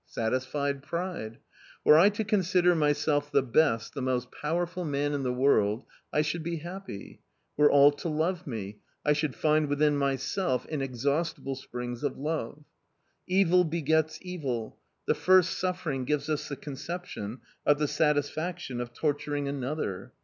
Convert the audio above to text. Satisfied pride. Were I to consider myself the best, the most powerful man in the world, I should be happy; were all to love me, I should find within me inexhaustible springs of love. Evil begets evil; the first suffering gives us the conception of the satisfaction of torturing another.